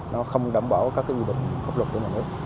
nó không đảm bảo các cái dịch vụ pháp luật của nhà nước